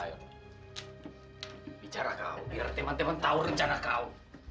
ayo bicara kau biar teman teman tahu rencana kau